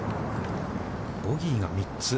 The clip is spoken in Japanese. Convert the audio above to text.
ボギーが３つ。